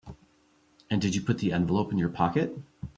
And did you put the envelope in your pocket?